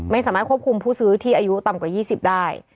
ไม่สามารถควบคุมผู้ซื้อที่อายุต่ำกว่า๒๐ได้